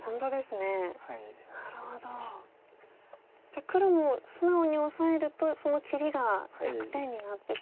じゃあ黒も素直にオサえるとその切りが弱点になってしまうんですか。